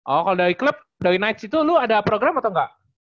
oh kalau dari club dari knights itu lu ada program atau nggak